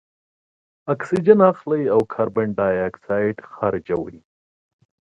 اکسیجن اخلي او کاربن دای اکساید خارجوي.